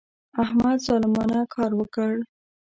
احمد ظالمانه کار وکړ.